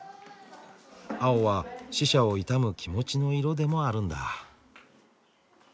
青は死者を悼む気持ちの色でもあるんだ。